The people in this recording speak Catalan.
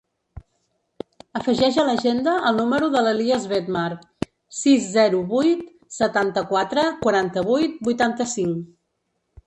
Afegeix a l'agenda el número de l'Elías Bedmar: sis, zero, vuit, setanta-quatre, quaranta-vuit, vuitanta-cinc.